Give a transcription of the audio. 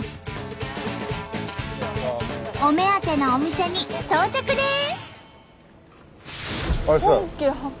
お目当てのお店に到着です！